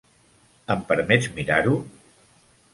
Em permets mirar-ho?